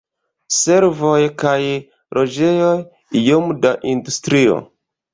Servoj kaj loĝejoj, iom da industrio.